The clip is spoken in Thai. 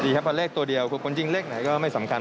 ครับเพราะเลขตัวเดียวคือคนจริงเลขไหนก็ไม่สำคัญ